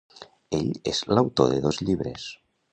Ell és l'autor de dos llibres.